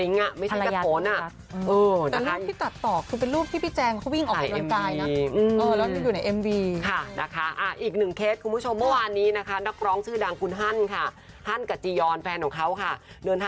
เงินจังไม่ได้อยากได้ไม่ได้อยากได้เงิน